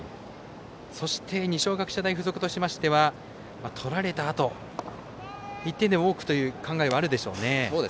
そして二松学舎大付属としましてはとられたあと１点でも多くという考えはあるでしょうね。